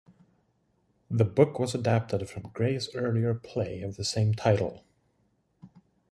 The book was adapted from Gray's earlier play of the same title.